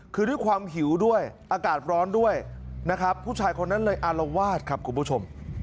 คือด้วยความหิวด้วยอากาศร้อนด้วยนะครับผู้ชายคนนั้นเลยอารวาสครับคุณผู้ชม